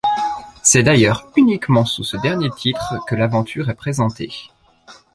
C'est d'ailleurs uniquement sous ce dernier titre que l'aventure est présentée.